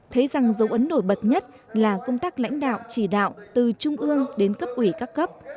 thấy rằng dấu ấn nổi bật nhất là công tác lãnh đạo chỉ đạo từ trung ương đến cấp ủy các cấp